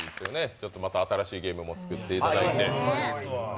ちょっとまた新しいゲームも作っていただいて。